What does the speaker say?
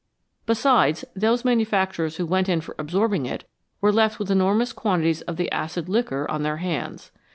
Besides, those manufacturers who went in for absorbing it were left with enormous quantities of the acid liquor on their hands.